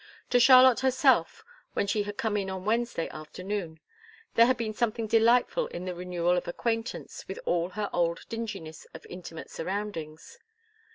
To Charlotte herself, when she had come in on Wednesday afternoon, there had been something delightful in the renewal of acquaintance with all her old dinginess of intimate surroundings.